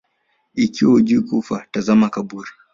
Ikiwa hujui kufa, tazama kaburi